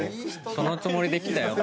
そのつもりで来たよ。